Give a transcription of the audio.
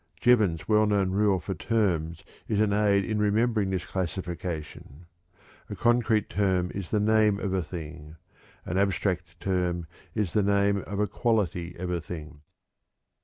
Jevons's well known rule for terms is an aid in remembering this classification: "_A concrete term is the name of a thing; an abstract term is the name of a quality of a thing.